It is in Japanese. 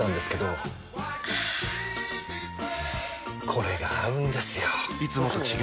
これが合うんですよ！